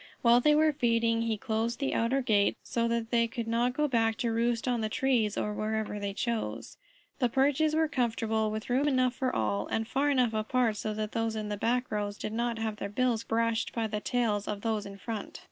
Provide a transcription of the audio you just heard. While they were feeding he closed the outer gate, so that they could not go back to roost on the trees or wherever they chose. The perches were comfortable, with room enough for all, and far enough apart so that those in the back rows did not have their bills brushed by the tails of those in front.